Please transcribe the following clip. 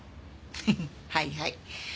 フフフはいはい。